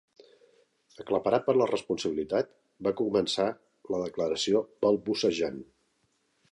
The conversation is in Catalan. Aclaparat per la responsabilitat, va començar la declaració balbucejant.